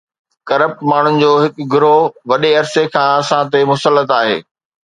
Corrupt ماڻهن جو هڪ گروهه وڏي عرصي کان اسان تي مسلط آهي.